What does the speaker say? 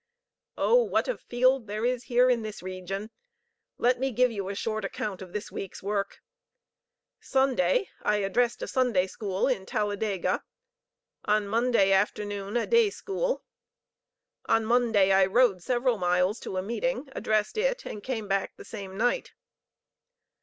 "Oh, what a field there is here in this region! Let me give you a short account of this week's work. Sunday I addressed a Sunday school in Taladega; on Monday afternoon a day school. On Monday I rode several miles to a meeting; addressed it, and came back the same night.